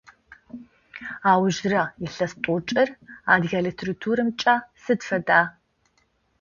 Аужрэ илъэс тӏокӏыр адыгэ литературэмкӏэ сыд фэда?